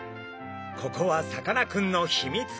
ここはさかなクンのヒミツ